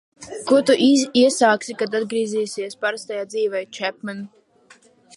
Ko tu iesāksi, kad atgriezīsies parastajā dzīvē, Čepmen?